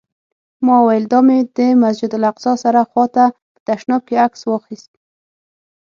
ما وویل: دا مې د مسجداالاقصی سره خوا ته په تشناب کې عکس واخیست.